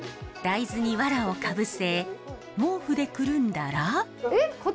大豆にわらをかぶせ毛布でくるんだら。